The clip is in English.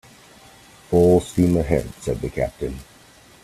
"Full steam ahead," said the captain.